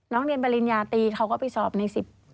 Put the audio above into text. เรียนปริญญาตีเขาก็ไปสอบใน๑๐